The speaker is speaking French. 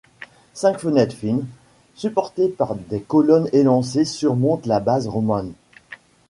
Cinq fenêtres fines, supportées par des colonnes élancées surmontent la base romane.